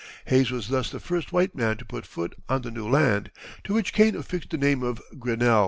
Hayes was thus the first white man to put foot on the new land, to which Kane affixed the name of Grinnell.